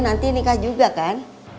nanti nikah juga kan